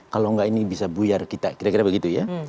kalau enggak ini bisa buyar kita kira kira begitu ya